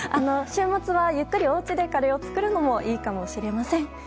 週末はゆっくりお家でカレーを作るのもいいかもしれません。